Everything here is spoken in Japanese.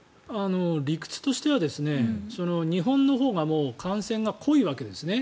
理屈としては日本のほうが感染が濃いわけですね。